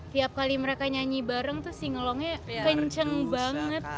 tiap kali mereka nyanyi bareng tuh singelongnya kenceng banget